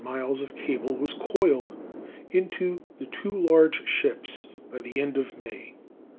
] All the 3,000 miles of cable was coiled into the two large ships by the end of May.